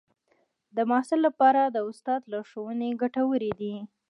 د محصل لپاره د استاد لارښوونې ګټورې دي.